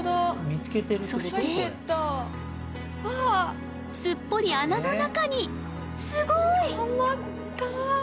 そしてすっぽり穴の中にすごい！